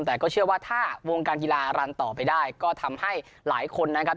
แต่ก็เชื่อว่าถ้าวงการกีฬารันต่อไปได้ก็ทำให้หลายคนนะครับ